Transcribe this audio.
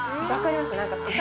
分かります？